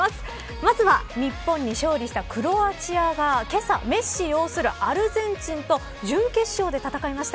まずは日本に勝利したクロアチアがけさ、メッシ擁するアルゼンチンと準決勝で戦いました。